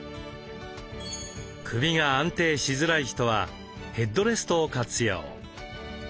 首が安定しづらい人はヘッドレストを活用。